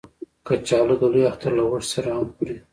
کچالو د لوی اختر له غوښې سره هم خوري